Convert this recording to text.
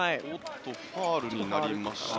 ファウルになりました。